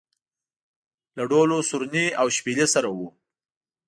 له ډول و سورني او شپېلۍ سره و.